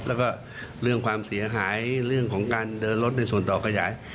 แล้วก็เรื่องความเสียหายเรื่องของการเดินรถในส่วนต่อขยาย